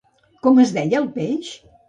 Com es deia el peix?